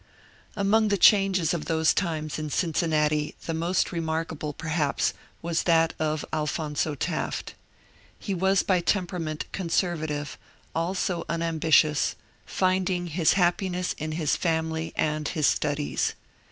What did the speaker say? Among the changes of those times in Cincinnati the most remarkable, perhaps, was that of Alphonzo Taft. He was by temperament conservative, also unambitious, finding his hap 264 MONCUBE DANIEL CONWAY piness in his family and his studies.